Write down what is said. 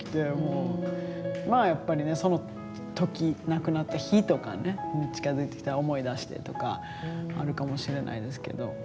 まあやっぱりねその時亡くなった日とか近づいてきたら思い出してとかあるかもしれないですけど。